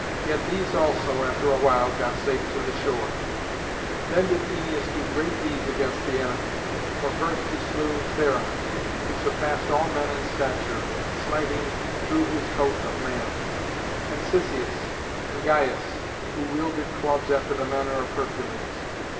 Yet these also, after a while, got safe to the shore. Then did Æneas do great deeds against the enemy. For first he slew Theron, who surpassed all men in stature, smiting through his coat of mail; and Cisseus and Gyas, who wielded clubs after the manner of Hercules.